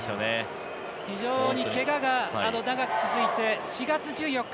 非常にけがが長く続いて４月１４日